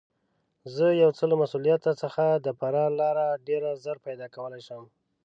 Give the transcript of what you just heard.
زه یو څه له مسوولیته څخه د فرار لاره ډېر ژر پیدا کولای شم.